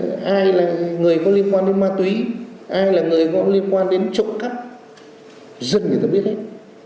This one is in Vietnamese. thế rồi ai là người có liên quan đến ma túy ai là người có liên quan đến trộm cắt dân người ta biết hết